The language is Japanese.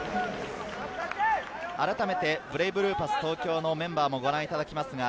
ブレイブルーパス東京のメンバーをご覧いただきます。